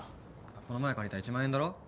この前借りた１万円だろ？